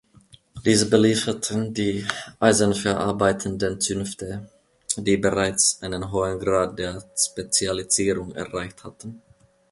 Diese belieferten die eisenverarbeitenden Zünfte, die bereits einen hohen Grad der Spezialisierung erreicht hatten.